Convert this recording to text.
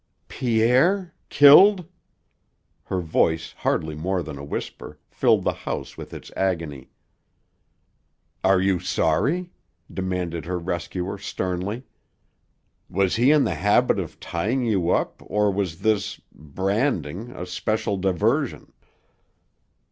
"Pierre? Killed?" Her voice, hardly more than a whisper, filled the house with its agony. "Are you sorry?" demanded her rescuer sternly. "Was he in the habit of tying you up or was this branding a special diversion?"